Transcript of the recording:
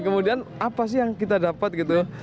kemudian apa sih yang kita dapat gitu